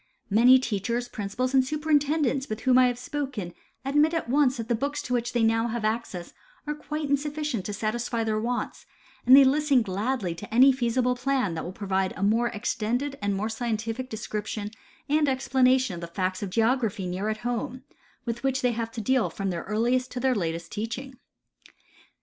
Many teachers, principals, and superintendents with whom I have spoken adndt at once that the books to which they now have access are quite insufficient to satisfy their wants, and they listen gladly to any feasible plan that will provide a more ex tended and more scientific description and explanation of tlie facts of geography near at home, with which the}^ have to deal from their earliest to their latest teaching.